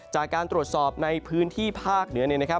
จากการตรวจสอบในพื้นที่ภาคเหนือเนี่ยนะครับ